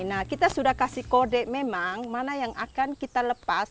nah kita sudah kasih kode memang mana yang akan kita lepas